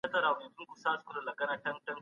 څنګه تمرین د بدن انرژي مصرف زیاتوي؟